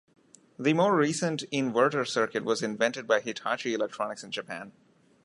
The more recent inverter circuit was invented by Hitachi electronics in Japan.